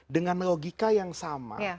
dengan logika yang sama